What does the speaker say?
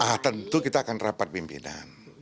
ya tentu kita akan rapat pimpinan